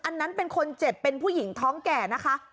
อันนั้นเป็นคนเจ็บเป็นผู้หญิงท้องแก่นะคะ